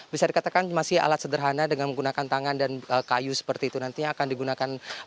bisa dikatakan masih alat sederhana dengan menggunakan tangan dan kayu seperti itu nantinya akan digunakan